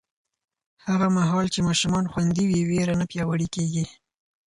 هغه مهال چې ماشومان خوندي وي، ویره نه پیاوړې کېږي.